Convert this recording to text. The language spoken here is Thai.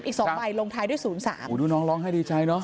อีกสองใบลงท้ายด้วยศูนย์สามโอ้ดูน้องร้องไห้ดีใจเนอ